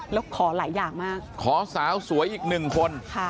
แล้วขอหลายอย่างมากขอสาวสวยอีกหนึ่งคน